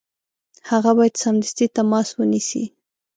هغه باید سمدستي تماس ونیسي.